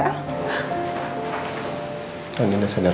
andin udah sadar